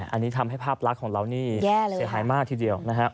อันนี้ทำให้ภาพลักษณ์ของเรานี่เสียหายมากทีเดียวนะฮะ